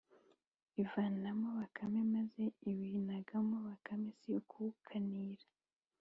Ivanamo Bakame, maze iwinagamo bakame si ukuwukanira